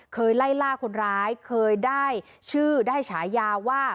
เคยไล่ล่าคนร้ายเคยได้ชื่อได้ฉายาว่า